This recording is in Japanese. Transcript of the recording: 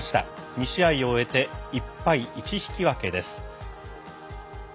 ２試合を終えて１敗１引き分けです。